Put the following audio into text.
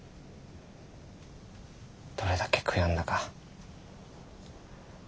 どれだけ悔やんだか。